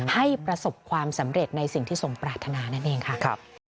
ให้ประสบความสำเร็จในสิ่งที่สมปรารถนานั่นเองค่ะ